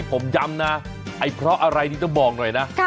ผมย้ำนะไอ้เพราะอะไรนี่ต้องบอกหน่อยนะ